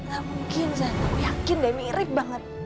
gak mungkin zan aku yakin deh mirip banget